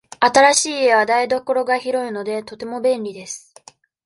新しい家は台所が広いので、とても便利です。